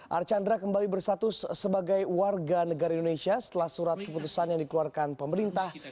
archandra kembali bersatus sebagai warga negara indonesia setelah surat keputusan yang dikeluarkan pemerintah